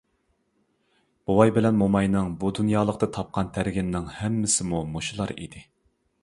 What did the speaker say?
بوۋاي بىلەن موماينىڭ بۇ دۇنيالىقتا تاپقان-تەرگىنىنىڭ ھەممىسىمۇ مۇشۇلار ئىدى.